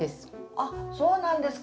あっそうなんですか。